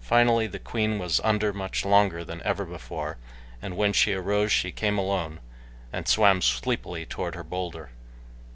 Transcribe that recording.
Finally the queen was under much longer than ever before, and when she rose she came alone and swam sleepily toward her bowlder.